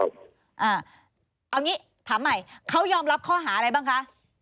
เอาอย่างนี้ถามใหม่เขายอมรับข้อหาอะไรบ้างคะ